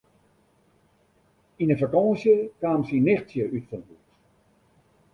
Yn de fakânsje kaam syn nichtsje útfanhûs.